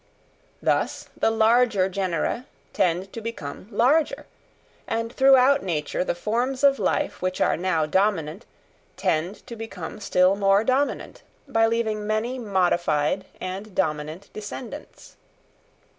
Thus the larger genera tend to become larger; and throughout nature the forms of life which are now dominant tend to become still more dominant by leaving many modified and dominant descendants.